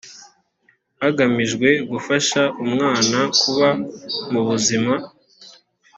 hagamijwe gufasha umwana kuba mu buzima